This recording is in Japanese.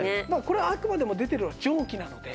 これはあくまでも出ているのは蒸気なので。